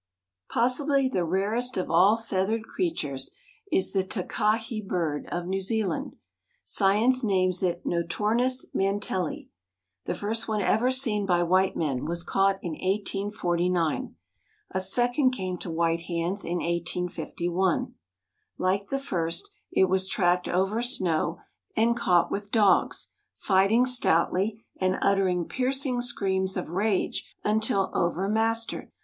Possibly the rarest of all feathered creatures is the "takahe" bird of New Zealand. Science names it Notornis Mantelli. The first one ever seen by white men was caught in 1849. A second came to white hands in 1851. Like the first it was tracked over snow, and caught with dogs, fighting stoutly, and uttering piercing screams of rage until over mastered.